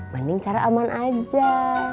mending cara aman aja